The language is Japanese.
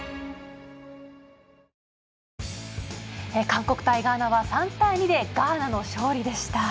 韓国対ガーナは３対２でガーナの勝利でした。